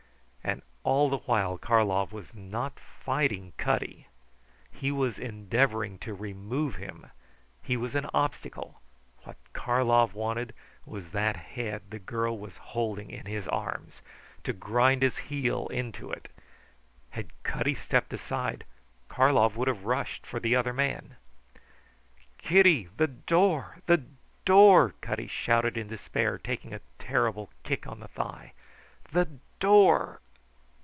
And all the while Karlov was not fighting Cutty; he was endeavouring to remove him. He was an obstacle. What Karlov wanted was that head the girl was holding in her arms; to grind his heel into it. Had Cutty stepped aside Karlov would have rushed for the other man. "Kitty, the door, the door!" Cutty shouted in despair, taking a terrible kick on the thigh. "The door!"